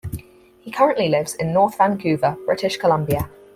He currently lives in North Vancouver, British Columbia.